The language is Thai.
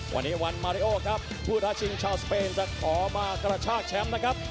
วันนี้วันมาริโอครับผู้ท้าชิงชาวสเปนจะขอมากระชากแชมป์นะครับ